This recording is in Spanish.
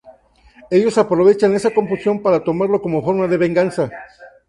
Ellos aprovechan esa confusión para tomarlo como forma de venganza.